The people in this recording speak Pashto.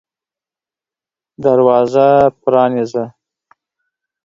دروازه پرانیزه !